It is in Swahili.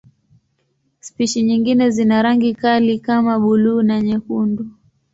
Spishi nyingine zina rangi kali kama buluu na nyekundu.